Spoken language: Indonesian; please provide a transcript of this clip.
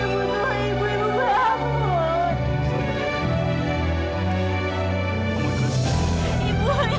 yang mentua aku menginginkanmu